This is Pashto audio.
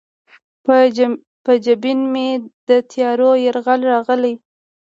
په جبین مې د تیارو یرغل راغلی